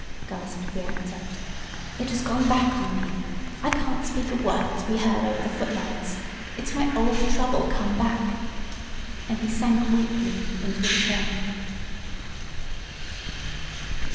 gasped the actor. "It has gone back on me I can't speak a word to be heard over the footlights! It's my old trouble come back!" and he sank weakly into a chair.